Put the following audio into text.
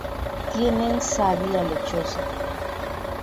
Tienen savia lechosa.